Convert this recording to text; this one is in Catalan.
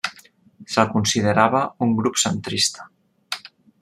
Se'l considerava un grup centrista.